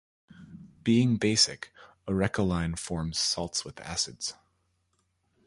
Being basic, arecoline forms salts with acids.